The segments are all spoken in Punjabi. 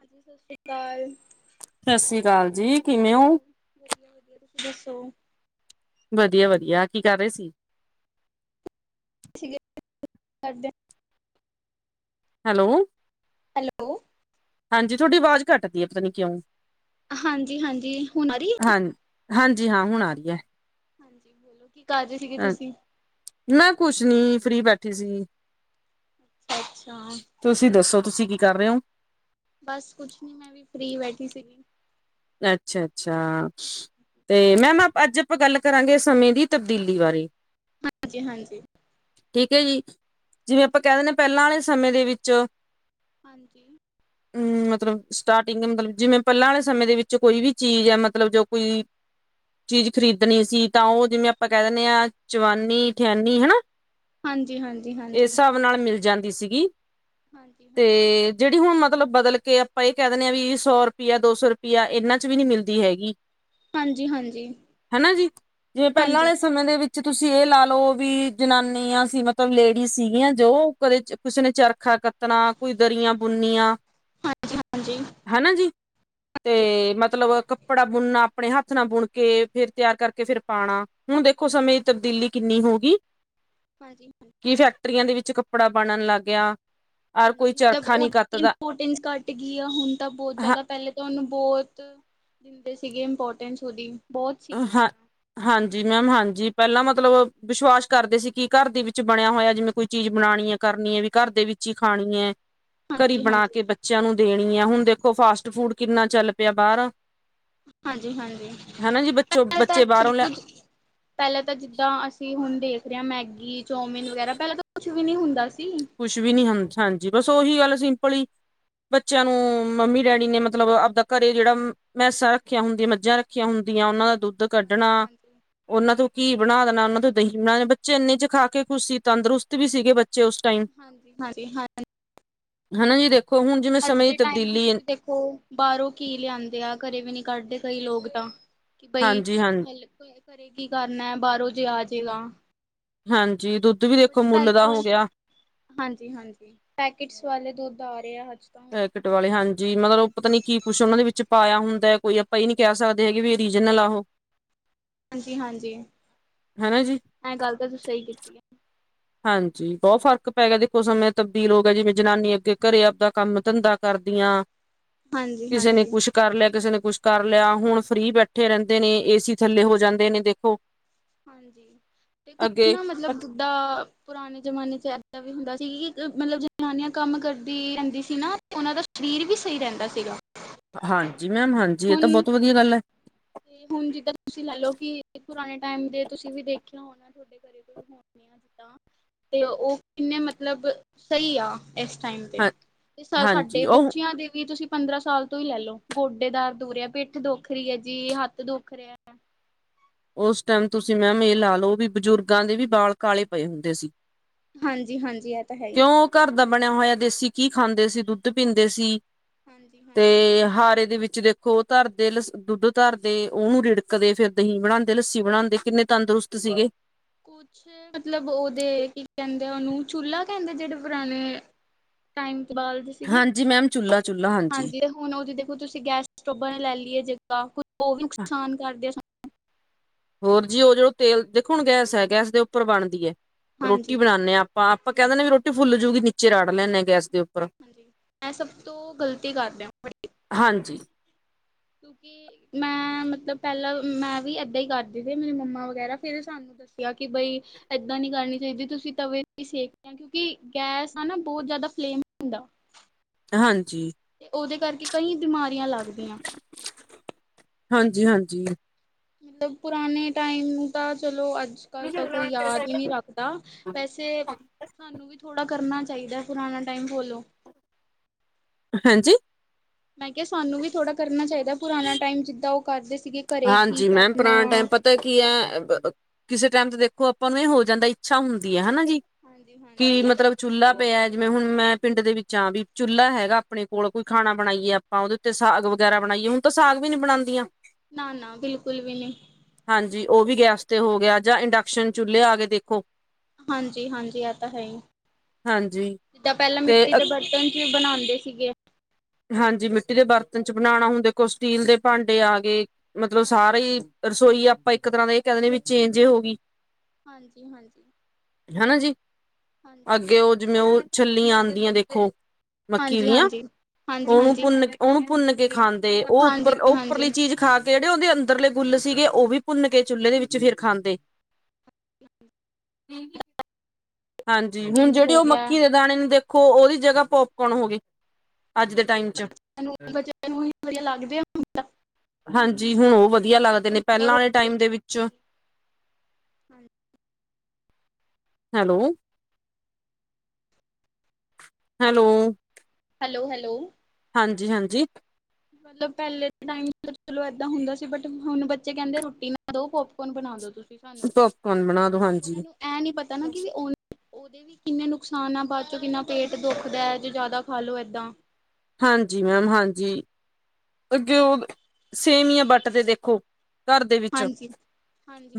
ਹਾਂਜੀ, ਸਤਿ ਸ੍ਰੀ ਅਕਾਲ। ਸੱਸੀ ਅਕਾਲ ਜੀ। ਕਿਵੇਂ ਹੋ ਹੋਰ ਵਧੀਆ- ਵਧੀਆ ਤੁਸੀਂ ਦੱਸੋ। ਵਧੀਆ-ਵਧੀਆ ਕੀ ਕਰ ਰਹੇ ਸੀ। ਠੀਕੇ ਕਰਦੇ। ਹੈਲੋ। ਹੈਲੋ ਹਾਂਜੀ ਤੁਹਾਡੀ ਆਵਾਜ਼ ਕਟਦੀ ਹੈ ਪਤਾ ਨੀ ਕਿਉਂ? ਹਾਂਜੀ, ਹਾਂਜੀ, ਹੁਣ ਆ ਰਹੀ ਹੈ, ਹਾਂ ਹਾਂਜੀ, ਹਾਂ ਹੁਣ ਆ ਰਹੀ ਹੈ। ਹਾਂਜੀ, ਬੋਲੋ! ਕੀ ਕਰ ਰਹੇ ਸੀਗੇ ਅ, ਤੁਸੀਂ ਮੈਂ ਕੁਛ ਨੀ ਫਰੀ ਬੈਠਾ ਤੁਸੀ, ਅੱਛਾ ਤੁਸੀਂ ਦੱਸੋ। ਤੁਸੀਂ ਕੀ ਕਰ ਰਹੇ ਹੋ? ਬਸ ਕੁਛ ਨੀ ਮੈਂ ਵੀ ਫਰੀ ਬੈਠੀ ਸੀਗੀ। ਅੱਛਾ! ਅੱਛਾ! ਤੇ ਮੈਮ ਅੱਜ ਆਪਾਂ ਗੱਲ ਕਰਾਂਗੇ ਸਮੇਂ ਦੀ ਤਬਦੀਲੀ ਬਾਰੇ, ਹਾਂਜੀ, ਹਾਂਜੀ, ਠੀਕ ਹੈ ਜੀ, ਜਿਵੇਂ ਆਪਾਂ ਹਾਂਜੀ ਕਹਿ ਦਿੰਦੇ ਆਂ ਪਹਿਲਾਂ ਵਾਲੇ ਸਮੇਂ ਦੇ ਵਿੱਚ, ਹਾਂਜੀ, ਹੂੰ, ਮਤਲਬ ਸਟਾਰਟਿੰਗ ਮਤਲਬ ਜਿਵੇਂ ਪਹਿਲਾਂ ਵਾਲੇ ਸਮੇ ਦੇ ਵਿੱਚ ਚ ਕੋਈ ਵੀ ਚੀਜ਼ ਹੈ ਮਤਲਬ ਜੋ ਕੋਈ, ਚੀਜ਼ ਖਰੀਦਣੀ ਸੀ ਤਾਂ ਉਹ ਜਿਵੇਂ ਆਪਾਂ ਕਹਿ ਦਿੰਦੇ ਹਾਂ ਚਵਾਨੀ ਠਿਆਨੀ ਹਨਾ ਹਾਂਜੀ ਹਾਂਜੀ ਇਸ ਹਾਂਜੀ ਹਿਸਾਬ ਨਾਲ ਮਿਲ ਜਾਂਦਾ ਦੀ ਸੀਗੀ, ਹਾਂਜੀ ਹਾਂਜੀ ਤੇ ਜਿਹੜੀ ਹੁਣ ਮਤਲਬ ਬਦਲ ਕੇ ਆਪਾਂ ਇਹ ਕਹਿ ਦਿੰਦੇ ਹਾਂ ਵੀ ਸੌ ਰੁਪਇਆ ਦੋ ਸੌ ਰੁਪਆ ਆ ਇਹਨਾਂ ਚ ਵੀ ਨਹੀਂ ਮਿਲਦੀ ਹੈਗੀ, ਹਾਂਜੀ ਹਾਂਜੀ ਹਨਾ ਜੀ ਜਿਵੇ ਪਹਿਲਾਂ ਹਾਂਜੀ ਵਾਲੇ ਸਮੇਂ ਦੇ ਵਿੱਚ ਤੁਸੀਂ ਇਹ ਲਾ ਲਓ ਵੀ ਜਨਾਨੀਆਂ ਸੀ, ਮਤਲਬ ਲੇਡੀਜ਼ ਸੀਗੀਆਂ ਜੋ ਕਦੇ ਕਿਸੇ ਨੇ ਚਰਖਾ ਕੱਤਣਾ ਕੋਈ ਦਰੀਆਂ ਬੁਣਨੀਆ ਹਾਂਜੀ ਹਾਂਜੀ ਹਨਾ ਜੀ, ਹਾਂਜੀ ਤੇ ਮਤਲਬ ਕੱਪੜਾ ਬੁਣਨਾ ਆਪਣੇ ਹੱਥ ਨਾਲ ਬੁਣ ਕੇ ਫਿਰ ਤਿਆਰ ਕਰਕੇ ਫਿਰ ਪਾਉਣਾ ਹੁਣ ਦੇਖੋ ਸਮੇਂ ਦੀ ਤਬਦੀਲੀ ਕਿੰਨੀ ਹੋ ਗਈ, ਹਾਂਜੀ ਕੀ ਫੈਕਟਰੀਆਂ ਦੇ ਵਿੱਚ ਕੱਪੜਾ ਬਣਨ ਲੱਗ ਗਿਆ। ਔਰ ਕੋਈ ਹਾਂਜੀ, ਮਤਲਬ ਚਰਖਾ ਨਹੀਂ ਉਹਦੀ ਕੱਤਦਾ ਇੰਪੋਰਟੈਂਸ ਘੱਟ ਗਈ ਆ ਹੁਣ ਤਾਂ ਬਹੁਤ ਹ ਜ਼ਿਆਦਾ ਪਹਿਲੇ ਤਾਂ ਉਹਨੂੰ ਬਹੁਤ ਦਿੰਦੇ ਸੀਗੇ ਇੰਪੋਰਟੈਂਸ ਉਹਦੀ ਬਹੁਤ ਸੀਗੀ ਪਹਿਲਾਂ, ਜੀ ਮੈਮ ਹਾਂਜੀ, ਪਹਿਲਾਂ ਮਤਲਬ ਵਿਸ਼ਵਾਸ ਕਰਦੇ ਸੀ ਕਿ ਘਰ ਦੇ ਵਿੱਚ ਬਣਿਆ ਹੋਇਆ ਜਿਵੇਂ ਕੋਈ ਚੀਜ਼ ਬਣਾਉਣੀ ਹੈ, ਕਰਨੀ ਹੈ, ਵੀ ਘਰ ਦੇ ਵਿੱਚ ਹੀ ਖਾਣੀ ਹੈ, ਘਰੀ ਬਣਾ ਹਾਂਜੀ-ਹਾਂਜੀ, ਕੇ ਬੱਚਿਆਂ ਨੂੰ ਦੇਣੀ ਹੈ ਹੁਣ ਦੇਖੋ ਦੇਖੋ ਫਾਸਟ ਫੂਡ ਕਿੰਨਾ ਚੱਲ ਪਿਆ ਬਾਹਰ, ਹਾਂਜੀ, ਹਾਂਜੀ, ਹਨਾ ਜੀ ਬੱਚੋ ਪੈਲੇ ਤਾਂ ਬੱਚੇ ਸਭ ਬਾਹਰੋਂ ਲੈ ਕੁਝ ਪਹਿਲਾਂ ਤਾਂ ਜਿੱਦਾਂ ਅਸੀਂ ਹੁੰਦੇ ਦੇ ਮੈਗੀ ਚੌਮਿਨ ਵਗੈਰਾ ਪਹਿਲਾਂ ਤਾਂ ਕੁਛ ਵੀ ਨ ਨਹੀਂ ਹੁੰਦਾ ਸੀ। ਕੁਛ ਵੀ ਨੀ ਹ ਹਾਂਜੀ ਬਸ ਉਹੀ ਗੱਲ ਅਸੀਂ ਆਪਲੀ ਬੱਚਿਆਂ ਨੂੰ ਮੰਮੀ ਡੈਡੀ ਨੇ ਮਤਲਬ ਆਪਦਾ ਘਰੇ ਜਿਹੜਾ ਭੈ ਸਾਂ ਰੱਖੀਆਂ ਹੁੰਦੀਆਂ ਮੱਝਾਂ ਰੱਖੀਆਂ ਹੁੰਦੀਆਂ ਉਹਨਾਂ ਦਾ ਦੁੱਧ ਦੁੱਧ ਕੱਢਣਾ ਹਾਂਜੀ-ਹਾਂਜੀ, ਉਹਨਾਂ ਤੋਂ ਘੀ ਹਾਂਜੀ-ਹਾਂਜੀ, ਬਣਾ ਦੇਣਾ ਉਹਨਾਂ ਤੋਂ ਦਹੀਂ ਬਣਾ ਦੇਣਾ ਬੱਚੇ ਇੰਨੇ ਚ ਖਾ ਕੇ ਖੁਸ਼ ਸੀ ਤੰਦਰੁਸਤ ਵੀ ਸੀਗੇ ਬੱਚੇ ਉਸ ਟਾਈਮ ਹਾਂਜੀ ਹਾਂਜੀ ਹਾਂ ਹਨਾ ਜੀ ਦੇਖੋ ਹੁਣ ਜਿਵੇਂ ਅੱਜ ਸਮੇਂ ਦੀ ਦੇ ਟਾਈਮ ਤਬਦੀਲੀ ਤੁਸੀਂ ਦੇਖੋ ਬਾਹਰੋਂ ਕੀ ਲਿਆਂਦੇ ਆ ਘਰੇ ਵੀ ਨੀ ਕੱਢਦੇ ਕਹੀ ਲੋਕ ਤਾਂ ਕਿ ਬਈ ਹਾਂਜੀ ਹਾਂ ਹਲ ਘਰੇ ਕੀ ਕਰਨਾ ਹੈ ਬਾਹਰੋਂ ਜੇ ਆਜੇਗਾ ਹਾਂਜੀ ਦੁੱਧ ਵੀ ਦੇਖੋ ਬਟ ਮੁੱਲ ਦਾ ਪਹਿਲਾਂ ਹੋ ਗਿਆ ਹਾਂਜੀ ਹਾਂਜੀ ਕਿਟਸ ਵਾਲੇ ਦੁੱਧ ਆ ਰਿਹਾ ਪੈਕਟ ਵਾਲੇ ਹਾਂਜੀ ਮਤਲਬ ਉਹ ਪਤਾ ਨੀ ਕੀ ਕੁਛ ਉਹਨਾਂ ਦੇ ਵਿੱਚ ਪਾਇਆ ਹੁੰਦਾ ਹੈ ਕੋਈ ਆਪਾਂ ਇਹ ਨਹੀਂੀ ਕਹਿ ਸਕਦੇ ਹੈਗੇ ਵੀ ਰੀਜਨਲ ਆ ਉਹ ਹਾਂਜੀ ਹਾਂਜੀ ਹਨਾ ਜੀ ਐ ਗੱਲ ਤਾਂ ਤੁਸੀਂ ਸਹੀ ਕੀਤੀ ਹੈ ਹਾਂਜੀ ਬਹੁਤ ਫ਼ਰਕ ਪੈ ਗਿਆ ਦੇਖੋ ਸਮੇਂ ਤਬਦੀਲ ਹੋ ਗਿਆ ਜਿਵੇਂ ਜਨਾਨੀ ਅੱਗੇ ਘਰੇ ਆਪਦਾ ਕੰਮ ਧੰਦਾ ਕਰਦੀਆਂ ਹੈ ਕਿਸੇ ਨੇ ਹਾਂਜੀ-ਹਾਂਜੀ ਕੁਛ ਕਰ ਲਿਆ ਕਿਸੇ ਨੇ ਕੁਛ ਕਰ ਲਿਆ ਹੁਣ ਫ੍ਰਰੀ ਬੈਠੇ ਰਹਿੰਦੇ ਨੇ ਏਸੀ ਥੱਲੇ ਹੋ ਜਾਂਦੇ ਨੇ ਦੇਖੋ ਹਾਂਜੀ ਤੇ ਕੁਛ ਅੱਗੇ ਨਾ ਮਤਲਬ ਜਿੱਦਾਂ ਪੁਰਾਣੇ ਜ਼ਮਾਨੇ 'ਚ ਇਦਾਂ ਵੀ ਹੁੰਦਾ ਸੀ ਕਿ ਮਤਲਬ ਜਨਾਨੀਆਂ ਕੰਮ ਕਰਦੀ ਰਹਿੰਦੀ ਸੀ ਨਾ ਉਹਨਾਂ ਦਾ ਸਰੀਰ ਵੀ ਸਹੀ ਰਹਿੰਦਾ ਸੀਗਾ ਹਾਂਜੀ ਮੈਮ ਹਾਂਜੀ ਇਹ ਹੁਣ ਤਾਂ ਬਹੁਤ ਵਧੀਆ ਗੱਲ ਹੈ ਤੇ ਹੁਣ ਜਿੱਦਾਂ ਤੁਸੀਂ ਲੈਲੋ ਕਿ ਪੁਰਾਣੇ ਟਾਈਮ ਦੇ ਤੁਸੀਂ ਵੀ ਦੇਖਿਆ ਹੋਣਾ ਤੁਹਾਡੇ ਘਰੇ ਕੋਈ ਹੋਣ ਨ ਆ ਜਿੱਦਾਂ ਤੇ ਉਹ ਕਿੰਨੇ ਮਤਲਬ ਸਹੀ ਆ ਇਸ ਟਾਈਮ ਤੇ। ਹਾਂ ਤੇ ਸਾ-ਸਾਡੇ ਹਾਂਜੀ ਉਹ ਬੱਚਿਆਂ ਦੇ ਵੀ ਤੁਸੀਂ ਪੰਦਰਾਂ ਸਾਲ ਤੋਂ ਈ ਲੈ ਲੋ, ਗੋਡੇ ਦਰਦ ਹੋ ਰੇ ਆ, ਪਿੱਠ ਦੁਖ ਰੀ ਐ ਕਿ ਹੱਥ ਦੁੱਖ ਰਿਐ। ਉਸ ਟਾਈਮ ਤੁਸੀਂ ਮੈਮ ਇਹ ਲਾ ਲੋ ਵੀ ਬਜ਼ੁਰਗਾਂ ਦੇ ਵੀ ਬਾਲ ਕਾਲੇ ਪਏ ਹੁੰਦੇ ਸੀ। ਹਾਂਜੀ ਹਾਂਜੀ ਇਹ ਤਾ ਹੈ ਈ। ਕਿਉਂ ਘਰ ਦਾ ਬਣਿਆ ਹੋਇਆ ਦੇਸੀ ਘੀ ਖਾਂਦੇ ਸੀ, ਦੁੱਧ ਪੀਂਦੇ ਸੀ। ਹਾਂਜੀ ਹਾਂਜੀ ਤੇ ਹਾਰੇ ਦੇ ਵਿੱਚੋ ਦੇਖ ਖੋਹ ਧਰਦੇ, ਲਸ ਦੁੱਧ ਧਰਦੇ, ਉਹਨੂੰ ਰਿੜਕਦੇ ਫੇਰ ਦਹੀਂ ਬਣਾਂਦੇ। ਲੱਸੀ ਬਣਾਂਦੇ, ਕਿੰਨੇ ਤੰਦਰੁਸਤ ਸੀਗੇ। ਕੁਛ ਮਤਲਬ ਓਹਦੇ, ਕੀ ਕਹਿੰਦੇ ਉਹਨੂੰ, ਚੁਲ੍ਹਾ ਕੈਂਦੇ ਜੇੜੇ ਪੁਰਾਣੇ ਟਾਈਮ ਬਾਲਦੇ ਸੀਗੇ। ਹਾਂਜੀ ਮੈਮ ਚੁੱਲਾ ਚੁੱਲਾ ਹਾਂਜੀ, ਤੇ ਹੁਣ ਉਹਦੀ ਦੇਖੋ ਤੁਸੀਂ ਗੈਸ ਸਟੋਬਾਂ ਨੇ ਲੈ ਲੀ ਏ ਜਗ ਤਾਂ ਕੁ ਉਹ ਵੀ ਨੁਕਸਾਨ ਕਰਦੇ ਆ ਸਾ [inaudible] ਹੋਰ ਜੀ ਉਹ ਜੋ ਤੇਲ, ਦੇਖੋ ਹੁਣ ਗੈਸ ਹੈਗਾ ਐ, ਗੈਸ ਦੇ ਉੱਪਰ ਬਣਦੀ ਐ। ਰੋਟੀ ਹਾਂਜੀ ਬਣਾਨੇ ਆਪਾਂ, ਆਪਾਂ ਕਹਿ ਦਿੰਦੇ ਵੀ ਰੋਟੀ ਫੁੱਲ ਜੂਗੀ ਨ ਚ ਰਾੜ ਲੈਨੇ ਹਾਂਜੀ ਹਾਂਜੀ। ਮੈਂ ਸਭ ਤੋਂ ਗ਼ਲਤੀ ਕਰਦੇ ਆਂ ਵੱਡੀ। ਹਾਂਜੀ ਕਿਉਂਕਿ ਮੈਂ ਮਤ ਲਬ ਪਹਿਲਾਂ ਮੈਂ ਵੀ ਏਦਾਂ ਈ ਕਰਦੀ, ਮੇਰੀ ਮੰਮਾ ਵਗੈਰਾ। ਫੇਰ ਸਾਨੂੰ ਦੱਸਿਆ ਕਿ ਬਈ ਏਦਾਂ ਨੀ ਕਰਨੀ ਚਈਦੀ, ਤੁਸੀਂ ਤਵੇ ਤੇ ਈ ਸੇਕਦੇ ਆਂ ਕਿਉਂਕਿ ਗੈਸ ਆ ਨਾ ਬਹੁਤ ਜਾ਼ਦਾ ਫਲੇਮ ਹੁੰਦਾ ਹਾਂਜੀ। ਤੇ ਉਹਦੇ ਕਰਕੇ ਕਈ ਬਿਮਾਰੀਆਂ ਲੱਗਦੀਆਂ। ਹਾਂਜੀ, ਹਾਂਜੀ। ਮਤਲਬ ਪੁਰਾਣੇ ਟਾਈਮ ਨੂੰ ਤਾਂ ਚਲੋ ਅੱਜ ਜ ਕੱਲ ਤਾਂ ਕੋਈ ਯਾਦ ਹੀ ਨੀ ਰੱਖਦਾ। ਵੈਸੇ ਸਾਨੂੰ ਵੀ ਥੋੜਾ ਕਰਨਾ ਚ ਚਈਦਾ ਪੁਰਾਣਾ ਟਾਈਮ ਬੋਲੋ ਹਾਂਜੀ? ਮੈਂ ਕਿਆ ਸਾਨੂੰ ਵੀ ਥੋੜ੍ਹਾ ਕਰਨਾ ਚਾਈਦਾ ਪੁਰਾਣਾ ਟਾਈਮ ਜਿੱਦਾਂ ਉਹ ਕਰਦੇ ਸੀ ਹਾਂਜੀ। ਮੈਮ ਪੁਰਾਣਾ ਟਾਈਮ ਪਤਾ ਕੀ ਐ ਅ-ਬ-ਅ ਕਿਸੇ ਟਾਈਮ ਤੇ ਦੇਖੋ ਆਪਾਂ ਨੂੰ ਈ ਹੋ ਜਾਂਦਾ, ਇੱਛਾ ਹੁੰਦੀ ਐ ਹਨਾ ਹਾਂਜੀ ਕੀ ਹਾਂਜੀ ਮਤਲਬ ਚੁਲ੍ਹਾ ਪਿਆ ਜਿਵੇਂ ਹੁਣ ਮੈਂ ਪਿੰਡ ਦੇ ਵਿੱਚ ਆਂ, ਵੀ ਚੁੱਲਾ ਹੈਗਾ ਆਪਣੇ ਕੋਲ, ਕੋਈ ਖਾਣਾ ਬਣਾਈਏ, ਆਪਾਂ ਉਹਦੇ ਉੱਤੇ ਸਾਗ ਵਗੈਰਾ ਬਣਾਈਏ, ਹੁਣ ਤਾਂ ਸਾਗ ਵੀ ਨੀ ਬਣਾਦੀਆਂ ਨਾ, ਨਾ। ਬਿਲਕੁਲ ਵੀ ਨੀ। ਹਾਂਜੀ। ਉਹ ਵੀ ਗੈਸ ਤੇ ਹੋ ਗਿਆ ਜਾਂ ਇੰਡਕਸ਼ਨ ਚੁੱਲੇ ਆ ਗੇ ਦੇਖੋ ਹਾਂਜੀ, ਹਾਂਜੀ ਆ ਤਾਂ ਹੈ ਈ। ਹਾਂਜੀ ਜਿੱਦਾਂ ਪਹਿਲਾਂ ਤੇ ਮਿੱਟੀ ਅ, ਦੇ ਬਰਤਨ ਚ ਈ ਬਣਾਦੇ ਸੀਗੇ। ਹਾਂਜੀ। ਮਿੱਟੀ ਦੇ ਬਰਤਨ ਚ ਬਣਾਣਾ ਹੁੰਦਾ, ਕੁਛ ਸਟੀਲ ਦੇ ਭਾਂਡੇ ਆ ਗਏ ਮਤਲਬ ਹਾਂਜੀ ਸਾਰੇ ਈ, ਰਸੋਈ ਆਪ ਆਪਾਂ ਇੱਕ ਤਰ੍ਹਾਂ ਦਾ ਇਹ ਕਹਿਿੰਦੇ ਵੀ ਚੇਜ ਹੋ ਗਈ ਹਾਂਜੀ ਹਾਂਜੀ ਹਨਾ ਜੀ ਹਾਂਜੀ ਅੱਗੇ ਉਹ ਜਿਵੇਂ ਉਹ ਛੱਲੀਆਂ ਆਉਂਦੀ ਦੀਆਂ ਦੇਖੋ ਮੱਕੀ ਹਾਂਜੀ, ਦੀਆਂ ਹਾਂਜੀ। ਹਾਂਜੀ ਉਹਨੂੰ ਭੁੰਨ, ਉਹਨੂੰ ਭੁੰਨ ਕੇ ਖਾਂਦੇ। ਉਹ ਹਾਂਜੀ ਉੱਪਰ ਉਹ ਹਾਂਜੀ ਉੱਪਰਲੀ ਹਾਂਜੀ ਚੀਜ਼ ਖਾ ਕੇ ਕਿਹੜੇ ਉਹਦੇ ਅੰਦਰਲੇ ਗੁੱਲ ਸੀਗੇ ਉਹ ਵੀ ਭੁੰਨ ਕੇ ਚੁੱਲੇ ਦੇ ਵਿੱਚ ਫਿਰ ਖਾਂਦੇ ਹਾਂਜੀ। ਹੁਣ ਚੇਂਜ ਜਿਹੜੀ ਹੋ ਉਹ ਗਿਆ ਮੱਖੀ ਦੇ ਦਾਣੇ ਨੂੰ ਦੇਖੋ ਖੋ ਉਹਦੀ ਜਗ੍ਹਾ ਪੋਪਕੋਨ ਹੋ ਗਈ। ਅੱਜ ਦੇ ਟਾਈਮ ਚ, ਸਾਨੂੰ ਬੱਚਿਆਂ ਨੂੰ ਹੀ ਵਧੀਆ ਲੱਗਦੇ ਆ ਹੁਣ ਤਾਂ। ਹਾਂਜੀ ਹੁਣ ਉਹ ਵਧੀਆ ਲੱਗਦੇ ਨੇ ਪਹਿਲਾਂ ਵਾਲੇ ਟਾਈਮ ਦੇ ਵਿਚ ਹੈਲੋ, ਹੈਲੋ, ਹੈਲੋ ਹੈਲੋ, ਹਾਂਜੀ ਹਾਂਜੀ, ਮਤਲਬ ਪਹਿਲੇ ਦੇ ਟਾਈਮ ਚਲੋ, ਏਦਾਂ ਹੁੰਦਾ ਸੀ ਬਟ ਹੁਣ ਬੱਚੇ ਕਹਿੰਦੇ ਰੋਟੀ ਨਾ ਦੋ ਪੋਪਕੋਰਨ ਬਣਾ ਦੋ ਤੁਸੀਂ ਸਾਨੂੰ ਪੋਪਕੋਰਨ ਬਣਾ ਦੋ ਉਹਨਾਂ ਹਾਂਜੀ ਨੂੰ ਇਹ ਨੀ ਪਤਾ ਨਾ ਕਿ ਉਹ ਉਹਦੇ ਵੀ ਕਿੰਨੇ ਨੁਕਸਾਨ ਆ ਬਾਅਦ ਚੋਂ ਕਿੰਨਾ ਪੇਟ ਦੁਖਦਾ ਜੇ ਜ਼ਿਆਦਾ ਖਾਲੋ ਏਦਾਂ, ਹਾਂਜੀ ਮੈਮ ਹਾਂਜੀ, ਅੱਗੇ ਉਹ ਸੇਮੀਆ ਵੱਟ ਤੇ ਦੇਖੋ। ਘਰ ਦੇ ਵਿੱਚ ਹਾਂਜੀ।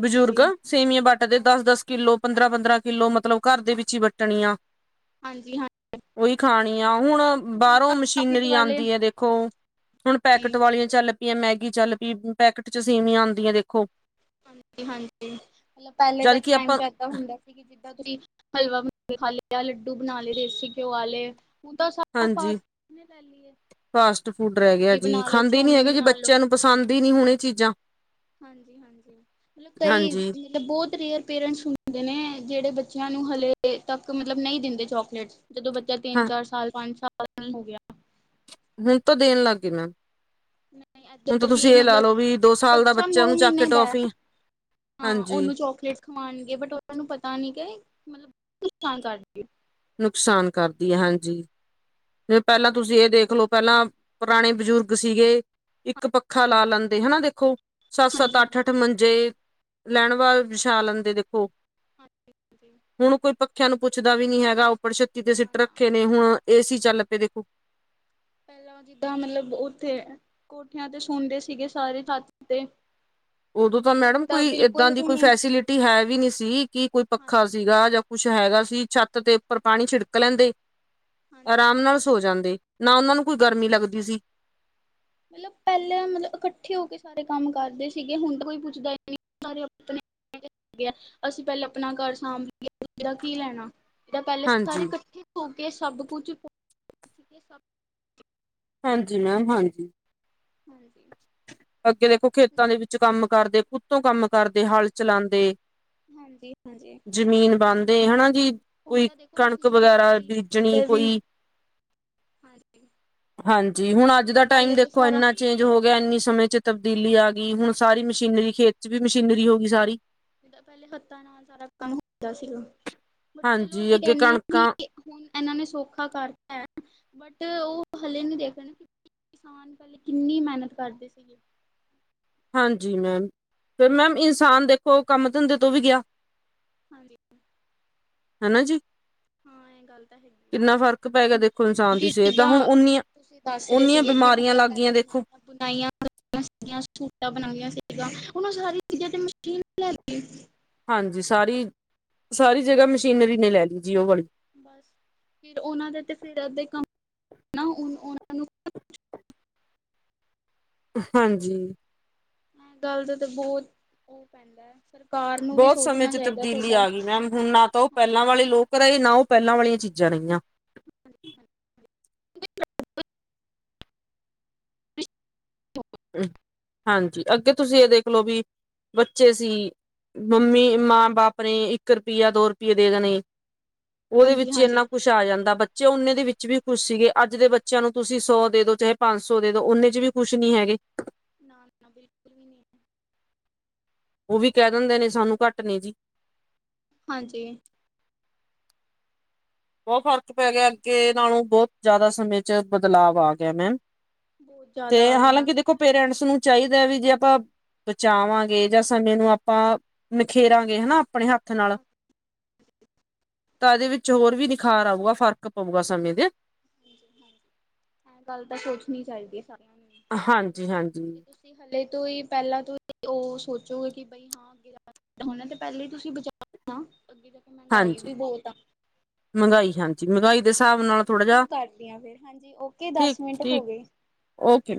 ਬਜ਼ੁਰਗ ਸੇਵੀਆਂ ਬੱਟ ਦੇ ਦਸ ਹਾਂਜੀ-ਹਾਂਜੀ ਦਸ ਕਿੱਲੋ ਪੰਦਰਾਂ ਪੰਦਰਾਂ ਕਿੱਲੋ ਮਤਲਬ ਘਰ ਦੇ ਵਿੱਚ ਹੀ ਵੱਟਣੀਆ, ਹਾਂਜੀ ਹਾਂ, ਖਾਣੀਆਂ, ਹੁਣ ਬਾਹਰੋਂ ਮਸ਼ੀਨਰੀ ਵਾਲੇ ਆਦੀ ਹੈ ਦੇਖੋ। ਹੁਣ ਜੀ ਪੈਕਟ ਵਾਲੀਆਂ ਚੱਲ ਚੱਲ ਪਈਏ ਮੈਗੀ ਚੱਲ ਪਈ ਪੈਕਟ ਚ ਸੀੇਵੀਆਂ ਆਦੀਆਂ ਦੇਖੋ। ਹਾਂਜੀ ਹਾਂਜੀ ਮਤਲਬ ਪਹਿਲੇ ਦਾ ਜਦ ਕਿ ਟਾਈਮ ਆਪਾਂ ਜਿਆਦਾ ਹੁੰਦਾ ਸੀ। ਤੁਸੀਂ ਹਲਵਾ ਖਾ ਲਿਆ ਲੱਡੂ ਬਣਾ ਲਏ ਦੇਸੀ ਘਿਓ ਵਾਲੇ ਤਾਂ ਸਾਰਾ ਹਾਂਜੀ ਫਾਸਟ ਫੂਡ ਨੇ ਲੈ ਲਈ ਏ। ਫਾਸਟ ਫੂਡ ਰਹਿ ਗਿਆ, ਮੈਗੀ ਜੀ ਬਣਾ ਲੋ, ਖਾਂਦੇ ਨੀ ਚੌਮਿਨ ਹੈਗੇ ਜੀ ਬਣਾ ਬੱਚਿਆਂ ਲੋ, ਨੂੰ ਪਸੰਦ ਹੀ ਨੀ ਹੋਣ ਇਹ ਚੀਜ਼ਾਂ। ਹਾਂਜੀ ਹਾਂਜੀ, ਮਤਲਬ ਕਈ ਹਾਂਜੀ ਮਲਬ ਬਹੁਤ ਰੇਅਰ ਪੇਰੈਂਟਸ ਹੁੰਦੇ ਨੇ ਜਿਹੜੇ ਬੱਚਿਆਂ ਨੂੰ ਹਲੇੇ ਤੱਕ ਮਤਲਬ ਨਹੀਂ ਦਿੰਦੇ ਚੋਕਲੇਟ ਜਦੋਂ ਬੱਚਾ ਤਿੰਨ ਹਾਂ ਚਾਰ ਸਾਲ ਪੰਜ ਸਾਲ ਪ ਨਹੀਂ ਹੋ ਗਿਆ। ਹੁਣ ਤਾਂ ਦੇਣ ਲੱਗ ਗਈ ਮੈ, ਨਹੀਂ ਇੱਧਰ ਵੀ ਮਤਲਬ ਲਓ ਵੀ ਦੋ ਸਾਲ ਦਾ ਬੱਚਾ ਨੋ ਉਹਨੂੰ ਚੱਕ ਕੇ ਮਹੀਨੇ ਦਾ ਟੋਫੀ ਹਾਂ ਹਾਂਜੀ ਉਹਨੂੰ ਚੋਕਲੇਟ ਖਵਾਣਗੇ ਬਟ ਉਹਨਾਂ ਨੂੰ ਪਤਾ ਨੀ ਕਿ ਮਤਲਬ ਨੁਕਸਾਨ ਕਰਦੀ ਐ। ਨੁਕਸਾਨ ਕਰਦੀ ਹੈ ਹਾਂਜੀ ਜਿ ਪਹਿਲਾਂ ਤੁਸੀਂ ਇਹ ਦੇਖਲੋ, ਪਹਿਲਾਂ ਪੁਰਾਣੇ ਬਜ਼ੁਰਗ ਸੀਗੇ ਇੱਕ ਪੱਖਾ ਲਾ ਹਾਂਜੀ ਲੈਂਦੇ ਹਨਾ, ਦੇਖੋ ਸੱਤ-ਸੱਤ, ਹਾਂਜੀ ਹਾਂਜੀ ਅੱਠ-ਅੱਠ ਮੰਜੇ ਲੈਣ ਵਾਇਜ ਵਿਛਾ ਲੈਂਦੇ ਦੇਖੋ। ਹਾਂਜੀ। ਹੁਣ ਕੋਈ ਪੱਕ ਪੱਖਿਆਂ ਨੂੰ ਪੁੱਛਦਾ ਵੀ ਨੀ ਹੈਗਾ ਔ ਪੜਛੱਤੀ ਤੇ ਨਾ ਸਿੱਟ ਨਾ ਰੱਖੇ ਨੇ ਹੁਣ ਏਸੀ ਚੱਲ ਪੇ ਦੇਖੋ। ਪਹਿਲਾਂ ਜਿੱਦਾਂ ਮਤਲਬ ਉੱਥੇ ਕੋਠਿਆਂ ਤੇ ਸੌਂਦੇ ਸੀਗੇ ਸਾਰੇ ਛੱਤ ਤੇ ਉਦੋਂ ਤਾਂ ਹੁਣ ਮੈਡਮ ਕੋਈ ਏਦਾਂ ਬਿਲਕੁਲ ਦੀ ਵੀ ਕੋਈ ਨਹੀਂ ਫੈਸਿਲਿਟੀ ਹੈ ਵੀ ਨੀ ਸੀ ਕੀ ਕੋਈ ਪੱਖਾ ਹਾਂਜੀ, ਸੀਗਾ ਜਾਂ ਕੁਛ ਹੈਗਾ ਸੀ ਛੱਤ ਤੇ ਉੱਪਰ ਪਾਣੀ ਛਿੜਕ ਲੈਂਦੇ- ਹਾਂਜੀ, ਆਰਾਮ ਨਾਲ ਸੋ ਜਾਂਦੇਂ। ਨਾ ਉਨਾਂ ਨੂੰ ਕੋਈ ਗਰਮੀ ਹਾਂਜੀ। ਲੱਗਦੀ ਸੀ। ਮਤਲਬ ਪੈਲੇ ਮਲਬ ਇਕੱਠੇ ਹੋ ਕੇ ਸਾਰੇ ਕੰਮ ਕਰਦੇ ਸੀਗੇ ਹੁਣ ਤਾਂ ਕੋਈ ਪੁੱਛਦਾ ਨੀ ਸਾਰੇ ਅਪਣੇ- ਅਪਣੇ ਹੈਗੇ, ਅਸੀ ਪਹਿਲੇ ਆਪਣਾ ਘਰ ਸਾਂਭ ਲੀਏ ਦੂਜੇ ਦਾ ਕੀ ਲੈਣਾ। ਇਹ ਤਾਂ ਪੈਲੇ ਸਾਰੇ ਹਾਂਜੀ ਇਕੱਠੇ ਹੋ ਗਏ। ਏ ਸਬ ਕੁਛ-ਏ ਸਭ ਕੁਛ ਹਾਂਜੀ ਮੈਮ, ਹਾਂਜੀ। ਹਾਂਜੀ। ਅੱਗੇ ਦੇਖੋ ਖੇਤਾਂ ਦੇ ਵਿੱਚ ਕੰਮ- ਕਰਦੇ ਉਤੋਂ ਕੰਮ ਕਰਦੇ ਹੱਲ ਚਲਾਂਦੇ। ਹਾਂਜੀ- ਹਾਂਜੀ। ਦੇ ਹਨਾ ਜੀ। ਹੁਣ ਕੋਈ ਤਾਂ ਦੇਖੋ ਕਣਕ ਮਸ਼ੀਨਾਂ ਨੇ ਲੈ ਵਗੈਰਾ ਲਈ ਬੀਜਣੀ ਓਧਰ ਵੀ ਕੋਈ ਹਾਂਜੀ। ਹਾਂਜੀ ਹੁਣ ਅੱਜ ਦਾ ਟਾਈਮ ਪਹਿਲੇ ਤਾਂ ਦੇਖੋ ਸਾਰਾ ਇੰਨਾ ਹੋ ਹਾਂਜੀ, ਗਿਆ ਇੰਨੀ ਸਮੇਂ ਚ ਤਾਂ- ਤਬਦੀਲੀ ਆ ਗਈ ਹੁਣ ਸਾਰੀ ਮਸ਼ੀਨਰੀ ਖੇਤ ਚ ਵੀ ਮਸ਼ੀਨਰੀ ਹੋ ਗਈ ਸਾਰੀ। ਏਦਾ ਪਹਿਲੇ ਹੱਥਾਂ ਨਾਲ ਸਾਰਾ ਕੰਮ ਹੁੰਦਾ ਸੀਗਾ। ਬ ਚਲੋ ਹਾਂਜੀ ਅਸੀਂ ਅੱਗੇ ਕੈਨੇ ਆਂ ਕਣਕਾਂ ਠੀਕ ਐ ਹੁਣ ਇਨਾਂ ਨੇ ਸੌਖਾ ਕਰਤਾ ਐ। ਬਟ ਉਹ ਹਲੇੇ ਨੀ ਦੇਖ ਰਏ ਕਿ ਕਿਸਾਨ ਪੈਲੇ ਕਿੰਨੀ ਮਿਹਨਤ ਕਰਦੇ ਸੀਗੇ। ਹਾਂਜੀ ਮੈਮ, ਫਿਰ ਮੈਮ ਇਨਸਾਨ ਦੇਖੋ ਕੰਮ ਧੰਦੇ ਤੋਂ ਵੀ ਗਿਆ। ਹਾਂਜੀ, ਹਨਾ ਜੀ। ਹਾਂ ਇਹ ਗੱਲ ਤਾਂ ਹੈਗੀ। ਆ ਕਿੰਨਾ ਫ਼ਰਕ ਪੈ ਗਿਆ ਦੇਖੋ ਇਨਸਾਨ ਦੀ ਜੀ ਸਿਹਤ ਦਾ ਜਿੱਦਾਂ ਹੁਣ ਓਨੀਆਂ ਤੁਸੀਂ ਦੱਸ ਰਹੇ ਓਨੀਆਂ ਸੀਗੇ ਕਿ ਬਿਮਾਰੀਆਂ ਮਤਲਬ ਲੱਗ ਪੈਲੇ ਗਈਆਂ ਦੇਖੋ ਬੁਣਾਈਆਂ [inaudible] ਬਣਾਈਆਂ ਸੀਗਾ ਹੁਣ ਉਹ ਸਾਰੀਆਂ ਚੀਜ਼ਾਂ ਤੇ ਮਸ਼ੀਨ ਲੈ ਗਈ। ਹਾਂਜੀ ਸਾਰੀ -ਸਾਰੀ ਜਗ੍ਹਾ ਮਸ਼ੀਨਰੀ ਨੇ ਲੈ ਲੀ। ਬਸ ਫਿਰ ਉਹਨਾਂ ਦੇ ਤੇ ਫੇਰ ਅੱਧੇ ਕੰਮ ਨਾ ਹੁਣ ਉਨ੍ਹਾਂ ਨੂੰ- ਹਾਂਜੀ ਹ ਗੱਲ ਦਾ ਤਾਂ ਬਹੁਤ ਉਹ ਪੈਂਦਾ ਐ। ਬਹੁ ਸਮੇਂ 'ਚ ਤਬਦੀਲੀ ਆ ਗਈ। ਮੈਮ ਹੁਣ ਨਾ ਤਾਂ ਉਹ ਪੈਲਾਂ ਹਾਂਜੀ ਵਾਲੇ ਲੋਕ ਰਹੇ। ਨਾ ਉਹ- ਪਹਿਲਾ ਵਾਲੀਆਂ ਚੀਜ਼ਾਂ ਰਹੀਆਂ। ਹਾਂਜੀ ਅੱਗੇ ਤੁਸੀਂ ਇਹ ਦੇਖ ਲਓ ਵੀ। ਬੱਚੇ ਸੀ ਮੰਮੀ, ਮਾਂ ਬਾਪ ਨੇ ਇੱਕ ਰੁਪਈਆ, ਦੋ ਰੁਪਈਏ ਦੇ ਦੇਣੇ- ਉਦੇ ਹਾਂਜੀ ਵਿੱਚ ਹੀ ਹਾਂਜੀ ਇੰਨਾ ਕੁਛ ਆ ਜਾਂਦਾ। ਬੱਚੇ ਓਨੇ ਦੇ ਵਿੱਚ- ਵੀ ਖੁਸ਼ ਸੀਗੇ। ਅੱਜ ਦੇ ਬੱਚਿਆਂ ਨੂੰ ਤੁਸੀਂ ਸੌ ਦੇ ਦੋ ਚਾਹੇ ਪੰਜ ਸੌ ਦੇ ਦੋ ਉਨੇ 'ਚ ਵੀ ਖੁਸ਼ ਨੀ ਹੈਗੇ। ਨਾ ਨਾ ਬਿਲਕੁਲ ਵੀ ਨਹੀਂ ਐ। ਉਹ ਵੀ ਕਹਿ ਦਿੰਦੇ ਨੇ ਸਾਨੂੰ ਘੱਟ ਨੇ ਜੀ। ਹਾਂਜੀ। ਬਹੁਤ ਫ਼ਰਕ ਪੈ ਗਿਆ ਅੱਗੇ ਨਾਲੋਂ। ਬਹੁਤ ਜ਼ਿਆਦਾ ਸਮੇਂ ਚ ਬਦਲਾਵ ਆ ਗਿਆ ਮੈਮ। ਬਹੁਤ ਤੇ ਜ਼ਿਆਦਾ ਆ ਗਿਆ। ਹਾਲਾਂਕਿ ਦੇਖੋ ਪੇਰੈਂਟਸ- ਉਸਨੂੰ ਚਾਹੀਦਾ ਵੀ ਜੇ ਆਪਾਂ ਬਚਾਵਾਂਗੇ ਜਾਂ ਸਮੇਂ ਨੂੰ ਆਪਾਂ ਨਿਖੇਰਾਂਗੇ ਹਨਾ ਆਪਣੇ ਹੱਥ ਨਾਲ, ਤਾਂ ਇਹਦੇ ਵਿੱਚ ਹੋਰ ਵੀ- ਬੁਖਾਰ ਆਊਗਾ, ਫ਼ਰਕ ਪਊਗਾ ਸਮੇਂ ਦੇ- ਹਾਂਜੀ-ਹਾਂਜੀ, ਇਹ ਗੱਲ ਤਾਂ ਸੋਚਣੀ ਚਾਹੀਦੀ ਹੈ ਸਾਰਿਆਂ ਨੂੰ। ਹਾਂਜੀ, ਹਾਂਜੀ, ਕੀ ਤੁਸੀਂ ਹਲੇੇ ਵੀ - ਤੋਂ ਹੀ ਪਹਿਲਾਂ ਤੋਂ ਸੀ। ਉਹ ਸੋਚੋਗੇ ਕਿ ਬਈ ਹਾਂ ਹੋਣਾ ਤੇ ਹੈ। ਪਹਿਲਾਂ ਹੀ ਤੁਸੀਂ ਬਚਾਓ ਨਾ। ਹਾਂਜੀ, ਮਹਿੰਗਾਈ-ਹਾਂਜੀ ਮਹਿੰਗਾਈ- ਦੇ ਹਿਸਾਬ ਨਾਲ ਹਾਂਜੀ, ਮੈਂ ਥੋੜਾ ਜਿਹਾ ਤੁਹਾਨੂੰ ਕਰਦੀ ਆ ਫਿਰ ਹਾਂਜੀ। ਓਕੇ ਠੀਕ, ਦਸ ਮਿੰਟ ਹੋ ਠੀਕ ਗਏ ਓਕੇ।